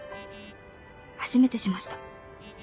「初めてしました」。